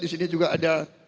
disini juga ada